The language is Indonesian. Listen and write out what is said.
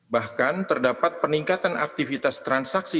bahkan terdapat peningkatan aktivitas transaksi